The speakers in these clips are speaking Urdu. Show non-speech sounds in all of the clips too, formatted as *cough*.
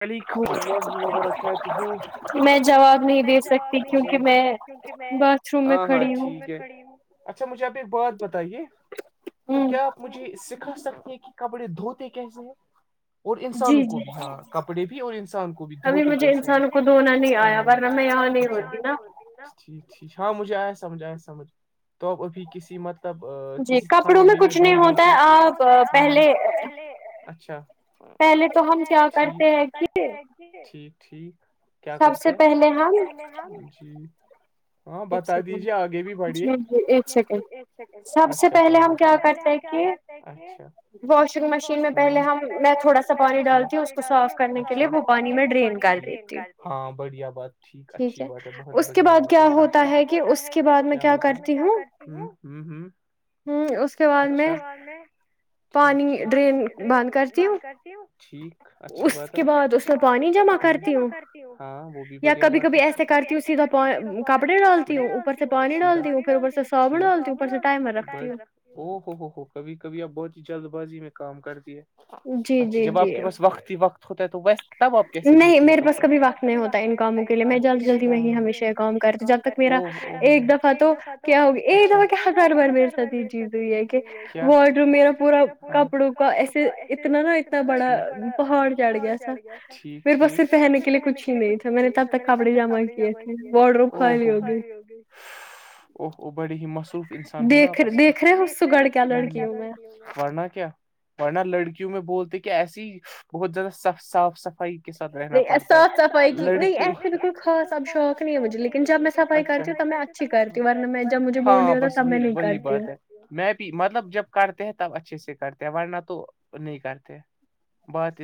وعلیکم اللہ وبرکات ہ میں جواب نہیں دے سکتی کیوںکہ میں ہاں ہاں ٹھیک ہے اچھا مجھے آپ ایک بات بتائیے تو کیا آپ مجھے سکھا سکتے ہیں کہ کبڈی دھوتے کیسے ہیں اور انسانوں کو بھی ہاں کپڑے بھی اور انسان کو بھی دھوتے کیسے مھ انسان کو دھونا نہیں آیا ٹھیک ٹھیک ہاں مجھے آئے سمجھ آئے سمجھ توپ ابھی کسی مت ب کسیانے میں بھی بتا پہلے اچھا پہلے تو ہم کیا کرتے کیا کرتے ہیں کہ جٹھیک ٹھیک کیا کرتے سب سے پہلے ہم ج ہاں بتا دیجے آگے بھی بڑھیے اچھا اچہلے کیاتے واشنگ مشین میں پہلے ہم میں تھوڑا سا پانی ڈالتی ہوں اس کے سات نے کے لیے وہانی ڈ ہاں بڑھیا بات ٹھیک اچھی بات ہے بہت بڑھیا بات ہے کیا ہوتا ہے کہ اس کے بعد میں کیا کرتی ہوں اس کے بعد میں ٹ پانی ڈرین بند کرتی ہ ٹھیک اچھا ات اس کے بعد اس کا پانی جم کرتی ہوں ہاں وہ بھی بڑھیا بات ہے کبھی کبھی ایسے کرتی ہوں سیدھا کپڑے ڈالتی ہوں اوپر سے پانی ڈالتی ہوں پھر اور سے صابن ڈالتیوںوپر سے کر رکھتی او ہو ہو ہو کبھی کبھی اب بہت ہی جلد بازی میں کام کرتی ہے اچھا جب آپ کے پاس وقت ہی وقت ہوتا ہے تو بس تب آپ کیسے دھوتی ہے نہیں میرے پاس کھی وقت نہیں ہوتا ہے ان کاموں کے لیے میں جلی جلدی میں ہی ہشہ کا تک میرا ایک دفعہ تو کیا ایک دفعہ کیا ہزار بار میرے ساتھ جی جیز ہے واڈروم میرا پورا کپڑوں کا ایسے اتنا نا اتنا ب پہاڑ چ ڑ گیا تھا پھر بس پھر پہننے کے لیے کچھ ہی نہیں تھا میں نے تب تک کپڑے جمع کیے تھے اور ر خا ہوگی ا بڑی ہی مصوف انسان ہونا آپ دیکھ رہے لک ورنہ کیا ورنہ لڑکیوں میں بولتے کیا ایسی ہی بہت زیادہ صاف صفائی سھ رہنا پڑتا ہے لڑکے خاص اب شوق نہیں ہے مجھے لیکن جنا صفائی کرتی تو میں اچھی کرتی ورن ہاں بس وہی وہی بات ہے میں بھی مطلب جب کرتے ہیں تب اچھے سے کرتے ہیں ورنہ تو نہیں کرتے بعات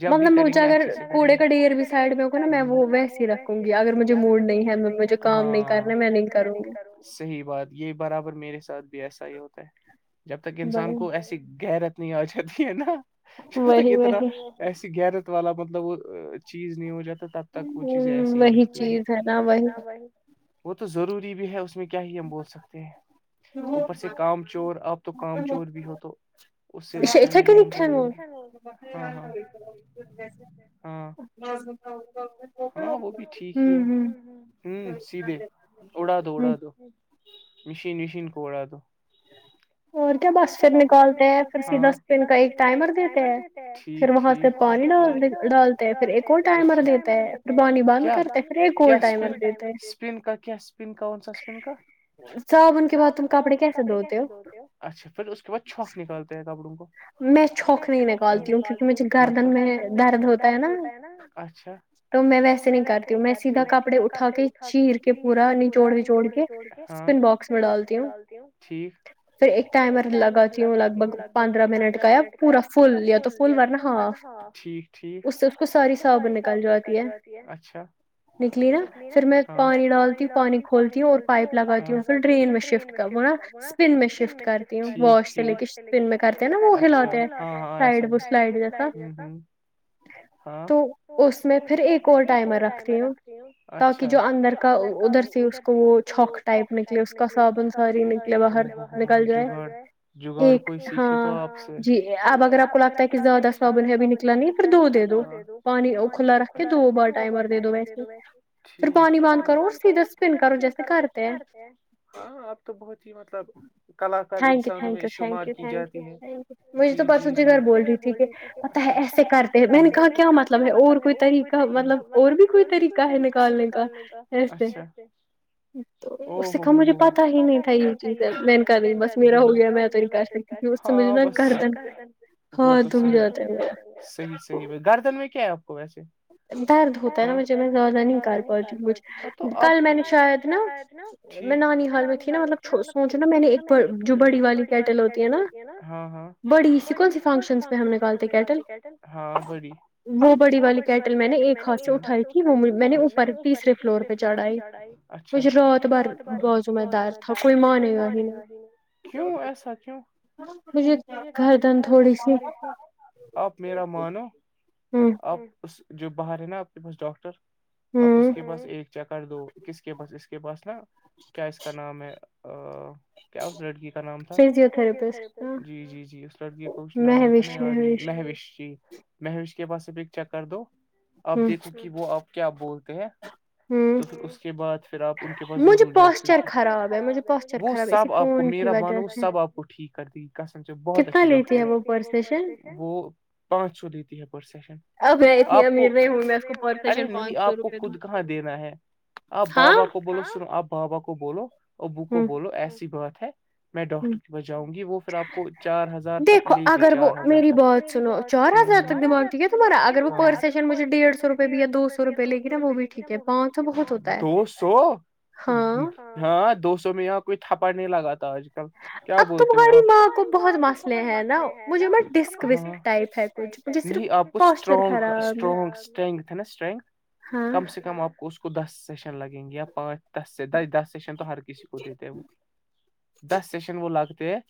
جب بھی کریں گے اچ اگر کوڑے کا ڈر بھی سائڈ میں ہوگا نا میں وہ ویسی رکھوں گی اگر مجھے موڈ نہیں ہے کام نہیں کرنے میں نہیں کروں گ صحیح بات یہی برابر میرے ساتھ بھی ایسا ہی ہوتا ہے جب تک انسان کو ایسی غیرت اتنی آ جاتی ہے نا چ تو کتنا ایسی غیرت والا مطلب وہ چیز نہیں ہو جات ت تب تک وہ چیزیں ایسی ہی رہتی چ ہے نا وہ تو ضروری بھی ہے اس میں کیا ہی ہم بول سکتے ہیں اوپر سے کام چور آپ تو کام چور بھی ہو تو اس سلسلے میں ہاں ہاں ہاں ہاں وہ بھی ٹھیک ہی ہے ہ سیدھے اڑا دو اڑا دو مشین وشین کو اڑا دو اور کیا بس پھر نکالتے ہیںسی دس دن کا ہی ٹائمر دیتے ہیں پھر وہاں سے پانی ڈال ڈالتے ہیں پھر ایک اور ٹائمر دیتے بند کرتے اسپن کا کیا اسپن کا کون سا اسپن کا صابن کے بعد تم کپڑے کیسے دھوتے ہو اچھا پھر اس کے بعد چوک نکالتے ہیں کپڑوں کو میں چوک نہیں نکالتی ہوں کیونکہ میں ج شکاردن میں درد ہوتا ہے نا اچھا تو میں ویسے نہیں کرتی میں سیدھا کپڑے اٹھا کے چھیر کے پورا نچوڑ وچوڑ کے پن باکس میں ڈالتی ہوں ٹھیک پھر ایک ٹائمر لگای ہوں لگ بھگ پندرہ منٹ کا یا پورا فل یا تو فل ور بار نا ہاںیکیک اس اس کو ساری سابن نکال جاتی ہے اچھا نکلی نا پھر میں پانی ڈالتی ہوں پانی کھولتی ہوں اور پائپ لگاتی ہوں پھر ڈرین میں شفٹ کر ن میں شفٹ کرتی ہوں گش سے لے کے میں ا بڈ ہاں تو اس میں پھر ایک اور ٹائمر رکھتی ہوں اچھا تاکہ جو اندر کا ادھر سے اس کو وہ چوک ٹائپ نکلی اس کا صابن سری نکل بیر گئے جگاڑ کوئی سیکھے تو آپ سے ج آپ ا آپ کو تہ زیادہ صابن ہے ابھی نکلا نہیں پر دو دے دو پانی کھلا رکھ کے دو بار ٹائمر دے دو ویسے ھیک پھر پانی باند کرو دس دن کرو جیسے کرتے ہیں ہاں اپ تو بہت ہی مطلب کلاکار انسانوں میں شمار کی جاتی ہے جی جی جی پتا ہے ایسے کرتے میں نے کہا کیا مطلب ہے اور کوئی طریقہ مطلب اور بھی کوئی طریقہ ہے نکالنے کاے دیکھ مجھے پتا ہی نہیں تھا یہ چیز میں نے کر رہی بس میرا ہو گیا میں تو نہیں کر ہاں بس وہ صحیح صحیح گردن میں کیا ہے آپ کو ویسے درد ہوتا ہے نا مجے میں زیادہ نہیں کرال پاتی ا کل میں نے شاید نا میں نانی حال میں تھی نا مطل سوچو نا میں نے ایک جو بڑی والی کیٹل ہوتی ہے نا بڑی سی کون سی فنکشن *inaudible* ڑی والی کیٹل میں نے ایک ہاتھ سے اٹھائی تھی وہ نے اوریسرے فلور پہ چڑھائی اچھا م رات بھر باز میں دارد تھا کوئی مان گای کیوں ایسا کیوں مجھے گھردن تھوڑی سی آپ میرا مانو آپ اس جو باہر ہے نا اپ کے پاس ڈاکٹر آپ اس کے پاس ایک چکر دو کس کے پس اس کے پاس نا *inaudible* کیا اس لڑکی کا نام تھا جی جی جی اس لڑکی کا کچھ نام موش جی مہیش کے پاس سےب ایک چیک کر دو آپ دیکھو کہ کہ وہ آپ کیا بولتے ہیں تو پھر اس کے بعد پھر آپ ان کے پاس ضرور جاؤ کیک وہ سب آپ کو میرا بانو سب آپ کو ٹھیک کر دی کسم سے بہت اچھی ڈاکٹر وہ پانچ سو لیتی ہے پر سشن آپ کو ارے نہیں آپ کو خود کہاں دینا ہے آپ بابا کو بولو سنو آپ بابا کو بولو ابو کو بولو ایسی بات ہے میں ڈاکٹر کے پاس جاؤں گی وہ پھر آپ کو چار ہزار تک لے گی گر میری بات سارد ت دماار ا ڈیڑھ سو روپے بھی ہےیا دو سو روپئے لیکن وہ بھی ٹھیک ہے پانچ دو سو ہاں دو سو میں یہ کوئی تھپڑ نہیں لگا تھا آج کل کیا بولتے ہو تمہاری ماں کو بہت مسنے ہیں ہاں نہیں آپ کو اسٹرگٹرگٹرگ ہے نا اسٹرن کم سے کم آپ کو اس کو دس سیشن لگیں گے یا پانچ دس دس سیشن تو ہر کسی کو دیتے وہ دس سیشن وہ لگتے ہیں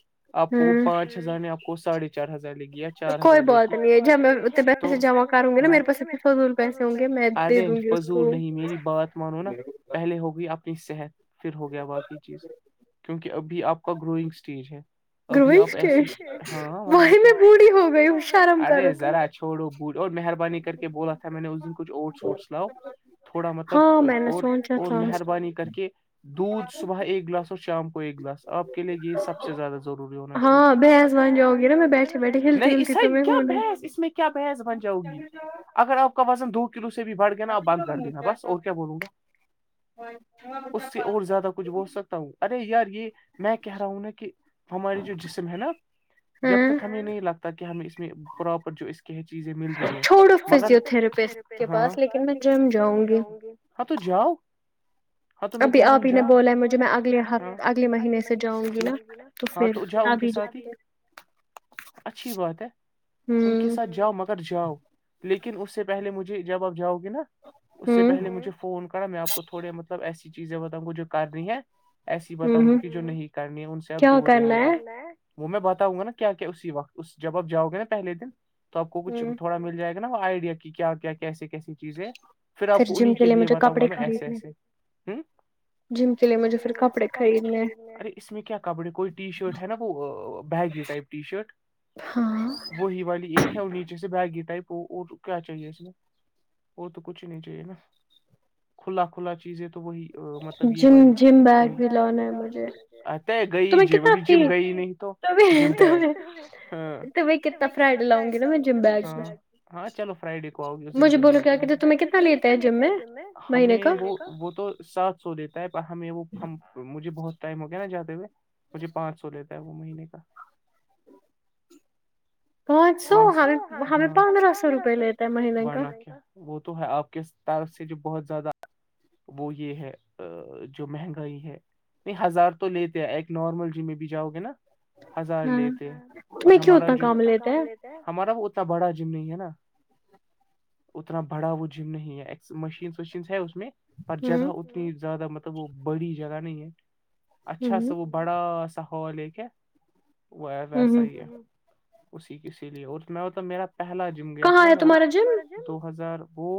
آپ کو وہ پانچ ہزاران آپ کو ساڑھے چھ چار ہزار لگییا چار ہزار لگی کوئی بات نہیں پیسے جمع کروں گیا مے پس اٹ فضور نہیں میری بات مانو نا پہلے ہوگئی اپنی صحت پھر ہو گیا باقی چیز کیونکہ اب بھی آپ کا گروئنگ اسٹیج ہے ابھی آپ ایسی ہاں ورنہ کیای ہو گئی ارے ذرا ھوڑو بوٹ اور مہربانی کر کے بولا تھا میں نے اس دن کچھ اوٹس ووٹس لاؤ تھوڑا مطلب اور اور مہربانی کر کے دودھ صبح ایک گلاس اور شام کو ایک گلاس آپ کے لیے یہ سب سب سے زیادہ ضروری ہونا چاہیے ہاں نہیں اسے کیا بحث اس میں کیا بحث بن جاؤ گی اگر آپ کا وزن دو کلو سے بھی بڑھ گینا بند کر دینا بس اور کیا بولوں گا اور ہم اس سے اور زیاد کچھ بول سکتا ہوں ارے یار یہ میں کہہ رہا ہوں نا کہ ہماراری جو جسم ہے نا تک ہمیں نہیں لگتا کہ ہمیں اس میں پراپر جو اس کے چیزیں مل رہی ہے مگر ہاں لیکن میں ج جاؤں گی ہ تو جاؤ ہاں تو میں کہپی نے بولا ہے مجھے میں اگے اگل مہینے سے جڑوں گی نا ہاں تو جھا ان کے ساتھ ہی اچھی بات ہے ان کے ساتھ جاؤ مگر جاؤ لیکن اس سے پہلے مجھے جب آپ جاؤ گے نا اس سے پہلے مجھے فون کرا میں آپ کو تھوڑے مطلب ایسی چیزیں بتاؤں گا جو کر رہی ہیں ایسی ہی بتاؤں گا کہ جو نہیں کرنی ہے ان سے آپ دور رہے گا وہ میں بتاؤں گا نا کیا کیا اسی وقت جب آپ جاؤ گے نا پہے دن تو آپ کو کچھ تھوڑا مل جائے گا نا وہ آئیڈیا کی کیا کیسے کیسی چیزیں پھر آپ کو انہیں کے لیے بتاؤں گا میں ایسے ایسے ہوں جم کے لی ے مجے کپڑے خریدنے ارے اس میں کیا کپڑے کوئی ٹی شرٹ ہے نا وہ بیگی ٹائپ ٹی شرٹ وہی والی ایک ہے اور نیچے سے بیگی ٹائپ وہ اور کیا چاہیے اس میں وہ تو کچھ نہیں چاہیے نا کھلا کھلا چیزیں تو وہی جم جم بیگ بھی لانا ہے مجھے اتےے گئی جیم ا بھی جیم گئی نہیں تو جم میں کتنا فرائڈ لاؤں گی نا ج ہ چلو فرڈے کوؤگی کتنا لیتے ہے جے ہم وہ وہ تو سات سو دیتا ہے پر ہمیں وہ ہم مجھے بہت ٹائم ہو گیا نا جاتے ہوئے مجھے پانچ سو لیتا ہے وہ مہینے کا سو ہم ہم پندر سو روپے لی وہ تو ہے آپ کے طرف سے جو بہت زیادہ وہ یہ ہے جو مہنگائی ہے نہیں ہزار تو لیتے ہیں ایک نارمل جم میں بھی جاؤ گے نا ہزار لیتے پر ہمارا ج لیتے ہمارا وہ اتنا بڑا جم نہیں ہے نا اتنا بڑا وہ جم نہیں ہے مشینس وشینس ہے اس میں پر جگہ اتنی زیادہ مطلب وہ بڑی جگہ نہیں ہے اچھا سا وہ بڑا سا ہال ہے کیا ویسا ہی اسی کسیی لیے اور میں وہ تو میرا پہلا جم گیا تھا نا وہ دو ہزار وہ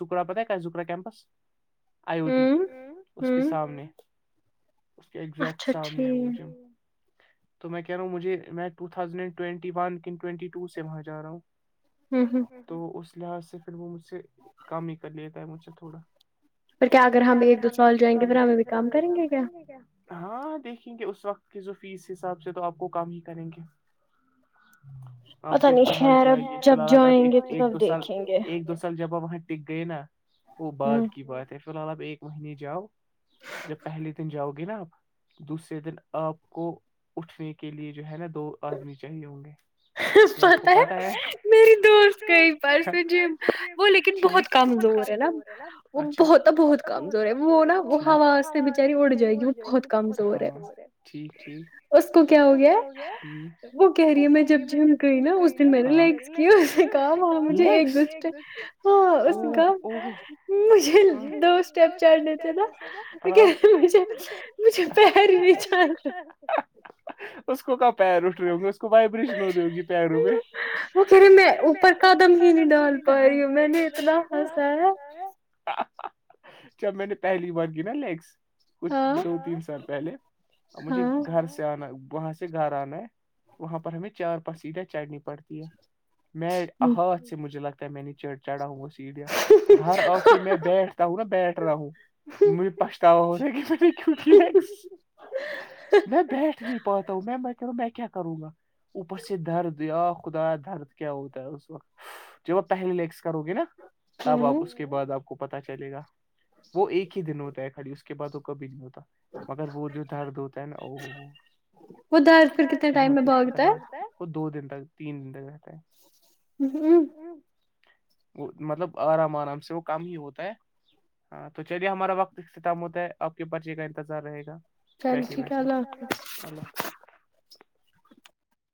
زکرا پتا ہے کا زکرا کیمپس آئی اوٹی اس کے سامنے اس کے ایگزیکٹ سامنے ہے وہ ج تو میں کہہ رہا ہوں مجھے میں ٹزڈ ٹوٹی ون ٹٹی ٹ سے میں جا رہا ہوں ہوں ہوں تو اس لحاظ سے پھر وہ مجھ سے کام ہی کر لیتا ہے مجھ سے تھوڑا پھر کیا اگر ہم ایک دو سال جائیں گے پھر ہمیں بھی کام کریں گے کیا ہاں دیکھیں گے اس وقت کی جو فیس حساب سے تو آپ کو کم ہی کریں گے اپ جو فی الحال جائے گی فی الحال اگر اپ ایک ایک دو سال ایک دو سال جب آ وہاں ڈگ گئے نا وہ بعد کی بات ہے فی الحال اب ایک مہینے جاؤ جب پہلے دن جؤ گے نا دوسرے دن آپ کو اٹھنے کے لیے جو ہے نا دو آدمی چاہیے ہوں گے قھھھ پت ہے میری دوست کائی بار سے جی وہ لیکن بہت کمزور ہے نا نا اچ بت بہت کمزور ہے وہ نا وہ ہوا سے بچاری اڑ جائے گی وہ بہت کمزور ہے ٹھیک ٹھیک اس کو کیا ہو گیا ہے وہ کہہ رہی ہے میں جب جم گئی نا اس دن میں نے لگس کیا اس نے کہا وہاں مجھے ایک دوسرے ہاں اس کا مجھے دو اسٹیپ چھ لیتے تھا مجھے مجھے پیر ہی نہیں جان اس کو کہ پیر اٹھ رہے ہوں گے اس کو بائ برج م رہی ہوگی پیروں میں وہ کہے میں اوپر قدم ہی نہیں ڈال پا رہی ہوں میں نے اتنا ہنسا ہے جب میں نے پہلی بار کی نا لیگس کچھ دو تین سال پہلے مجھے گھر سے آنا وہاں سے گھر انا ہے وہاں پر ہمیں چار پا سیٹیں چڑھنی پڑتی ہے میں ہاتھ سے مجھے لگتا ہے میں نے چڑ چڑھا ہوں اس سیا گھر آ کے میں بیٹھتا ہوں نا بیٹھ رہا ہوں مجھے پچھتاوا ہو کہ کیک لگس میں بیٹھ نہیں پاتا ہوں میں م میں کیا کروں گا اوپر سے درد یا خدا درد کیا ہوتا ہے اس وقت چ پہلی لیکس کرو گی نا تب آپ اس کے بعد آپ کو پتا چلے گا وہ ایک ہی دن ہوتا ہے کھڑی اس اس کے بعد وہ کبھی نہیں ہوتا مگر وہ جو درد ہوتا ہے نا وہ اداار س لائگ ہوگتا ہے وہ دو دن تک تین دن تک رہتا ہے وہ مطلب آرام آرام سے وہ کام ہی ہوتا ہے ہاں تو چلیے ہمارا وقت اخ ختم ہوتا ہے آپ کی پرچی کا انتظار رہے گا بیٹھی بیٹھی اللہ